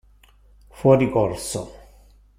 Fuori corso